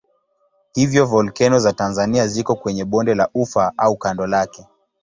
Hivyo volkeno za Tanzania ziko kwenye bonde la Ufa au kando lake.